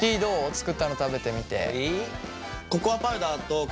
作ったの食べてみて。